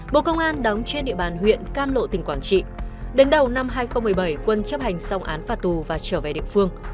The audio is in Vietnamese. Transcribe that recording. bộ công an đóng trên địa bàn huyện cam lộ tỉnh quảng trị đến đầu năm hai nghìn một mươi bảy quân chấp hành xong án phạt tù và trở về địa phương